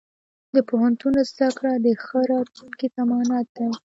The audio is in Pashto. د پوهنتون زده کړه د ښه راتلونکي ضمانت دی.